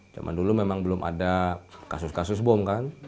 cuma dulu memang belum ada kasus kasus bom